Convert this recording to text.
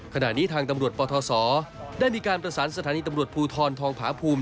ขณะนี้ทางตำรวจปทศได้มีการประสานสถานีตำรวจภูทรทองผาภูมิ